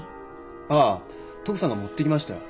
ああ徳さんが持っていきましたよ。